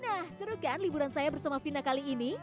nah seru kan liburan saya bersama vina kali ini